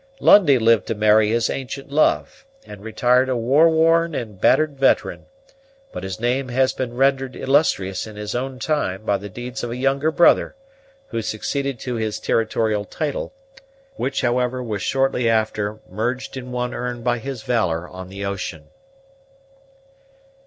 Lundie lived to marry his ancient love, and retired a war worn and battered veteran; but his name has been rendered illustrious in our own time by the deeds of a younger brother, who succeeded to his territorial title, which, however, was shortly after merged in one earned by his valor on the ocean.